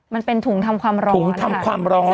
มันเป็นถุงทำความร้อนถุงทำความร้อน